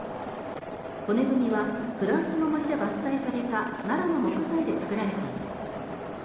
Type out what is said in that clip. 骨組みはフランスの森で伐採されたナラの木材で作られています。